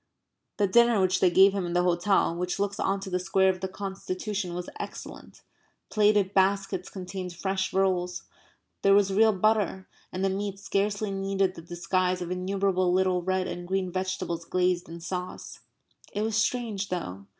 The dinner which they gave him in the hotel which looks on to the Square of the Constitution was excellent. Plated baskets contained fresh rolls. There was real butter. And the meat scarcely needed the disguise of innumerable little red and green vegetables glazed in sauce. It was strange, though.